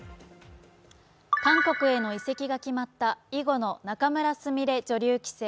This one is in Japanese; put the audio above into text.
韓国への移籍が決まった囲碁の仲邑菫女流棋聖。